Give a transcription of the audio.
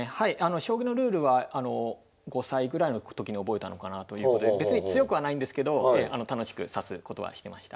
将棋のルールは５歳ぐらいの時に覚えたのかなということで別に強くはないんですけど楽しく指すことはしてました。